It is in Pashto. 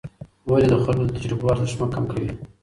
ولې د خلکو د تجربو ارزښت مه کم کوې؟